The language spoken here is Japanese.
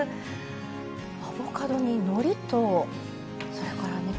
アボカドにのりとそれからね